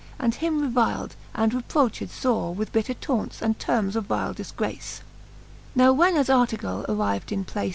And him reviled, and reproched fore With bitter taunts, and termes of vile difgracc. Now when as Artegall, arriv'd in place.